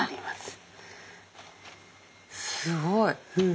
わすごい。